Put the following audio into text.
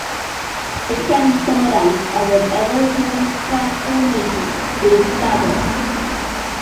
It can be summarized as an "error-driven transformation-based tagger".